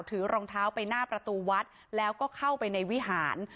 ถือรองเท้าไปหน้าประตูวัดแล้วก็เข้าไปในวิหาร